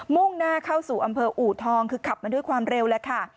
่งหน้าเข้าสู่อำเภออูทองคือขับมาด้วยความเร็วแล้วค่ะ